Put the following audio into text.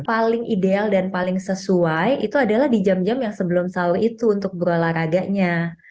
paling ideal dan paling sesuai itu adalah di jam jam yang sebelum sahur itu untuk berolahraganya